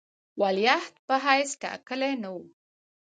ولیعهد په حیث ټاکلی نه وو.